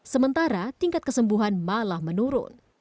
sementara tingkat kesembuhan malah menurun